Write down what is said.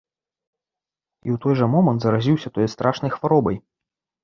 І ў той жа момант заразіўся той страшнай хваробай.